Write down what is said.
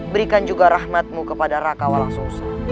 berikan juga rahmatmu kepada raka walang sosa